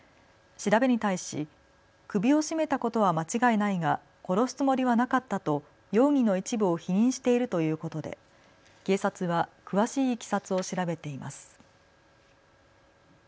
調べに対し、首を絞めたことは間違いないが殺すつもりはなかったと容疑の一部を否認しているということで警察は詳しいいきさつを調べています。